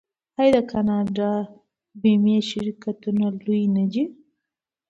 آیا د کاناډا بیمې شرکتونه لوی نه دي؟